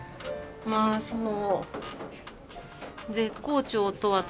まあその。